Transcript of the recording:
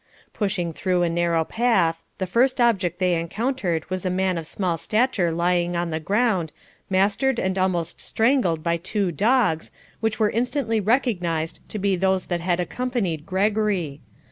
Pushing through a narrow path, the first object they encountered was a man of small stature lying on the ground, mastered and almost strangled by two dogs, which were instantly recognised to be those that had accompanied Gregory.